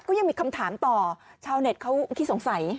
ก็ยังมีคำถามต่อชาวเน็ตเขาขี้สงสัย